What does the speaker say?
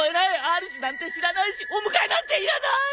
あるじなんて知らないしお迎えなんていらない！